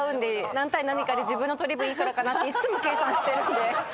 何対何かで自分の取り分幾らかなっていつも計算してるんで。